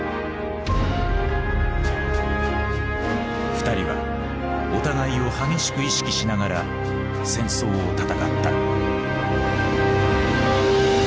２人はお互いを激しく意識しながら戦争を戦った。